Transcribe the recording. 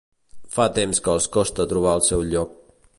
Fa temps que els costa trobar el seu lloc.